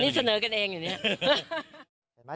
นี่เสนอกันเองอย่างนี้